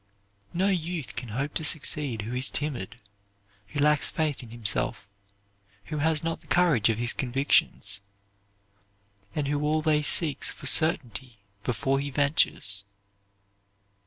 No youth can hope to succeed who is timid, who lacks faith in himself, who has not the courage of his convictions, and who always seeks for certainty before he ventures.